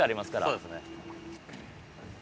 そうですね。